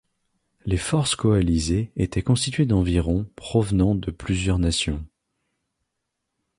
Les forces coalisées étaient constituées d'environ provenant de plusieurs nations.